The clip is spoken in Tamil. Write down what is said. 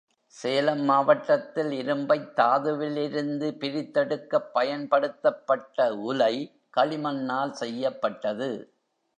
சேலம் மாவட்டத்தில் இரும்பைத் தாதுவிலிருந்து பிரித்தெடுக்கப் பயன்படுத்தப்பட்ட உலை களிமண்ணால் செய்யப்பட்டது.